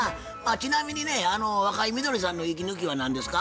ちなみにね若井みどりさんの息抜きは何ですか？